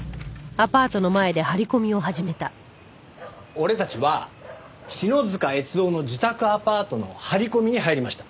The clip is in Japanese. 俺たちは篠塚悦雄の自宅アパートの張り込みに入りました。